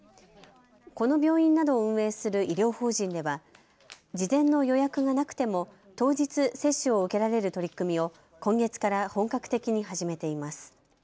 この病院などを運営する医療法人では事前の予約がなくても当日接種を受けられる取り組みを今月から本格的に始めています。